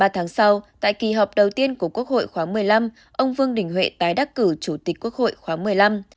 ba tháng sau tại kỳ họp đầu tiên của quốc hội khóa một mươi năm ông vương đình huệ tái đắc cử chủ tịch quốc hội khoáng một mươi năm